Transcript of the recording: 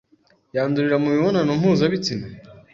Yandurira mu mibonano mpuzabitsina?